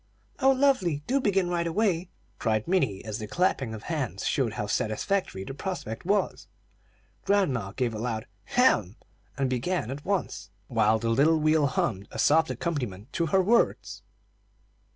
"Oh, lovely! Do begin right away," cried Minnie, as the clapping of hands showed how satisfactory the prospect was. Grandma gave a loud "hem!" and began at once, while the little wheel hummed a soft accompaniment to her words.